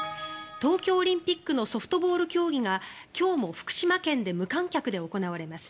東京オリンピックのソフトボール競技が今日も福島県で無観客で行われます。